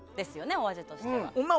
お味としては。